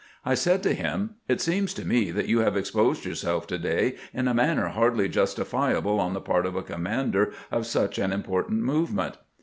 I said to him :" It seems to me that you have exposed yourself to day in a manner hardly justifiable on the part of a commander of such an important movement."